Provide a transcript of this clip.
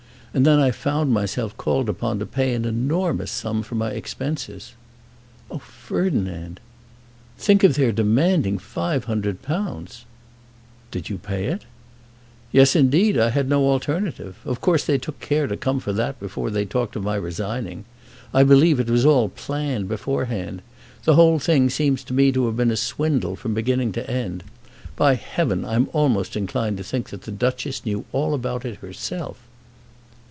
And then I found myself called upon to pay an enormous sum for my expenses." "Oh, Ferdinand!" "Think of their demanding £500!" "Did you pay it?" "Yes, indeed. I had no alternative. Of course they took care to come for that before they talked of my resigning. I believe it was all planned beforehand. The whole thing seems to me to have been a swindle from beginning to end. By heaven, I'm almost inclined to think that the Duchess knew all about it herself!"